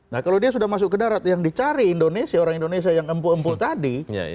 nah kalau dia sudah masuk ke darat yang dicari indonesia orang indonesia yang empu empuk tadi